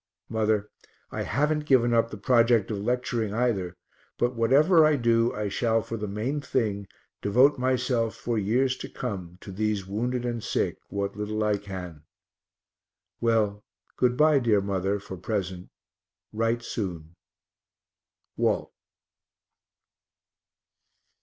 Mother, I haven't given up the project of lecturing, either, but whatever I do, I shall for the main thing devote myself for years to come to these wounded and sick, what little I can. Well, good bye, dear mother, for present write soon. WALT.